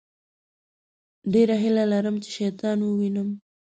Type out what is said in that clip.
ډېره هیله لرم چې شیطان ووينم.